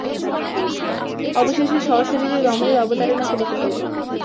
অবশেষে সশরীরে রমণীর অবতারণা করিতে হইল।